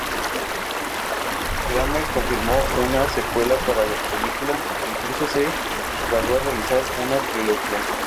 Kramer confirmó una secuela para la película, e incluso se evalúa realizar una trilogía.